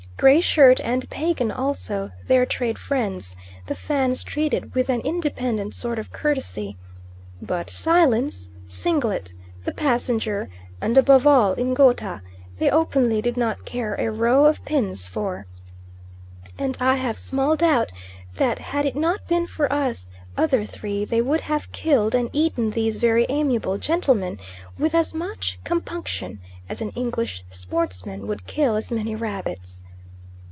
Gray Shirt and Pagan also, their trade friends, the Fans treated with an independent sort of courtesy; but Silence, Singlet, the Passenger, and above all Ngouta, they openly did not care a row of pins for, and I have small doubt that had it not been for us other three they would have killed and eaten these very amiable gentlemen with as much compunction as an English sportsman would kill as many rabbits.